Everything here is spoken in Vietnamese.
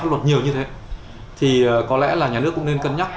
nhưng mà các luật nhiều như thế thì có lẽ là nhà nước cũng nên cân nhắc